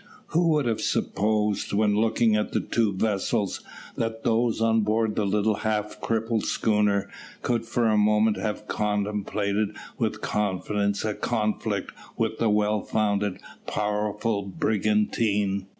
Who would have supposed, when looking at the two vessels, that those on board the little half crippled schooner could for a moment have contemplated with confidence a conflict with the well found, powerful brigantine?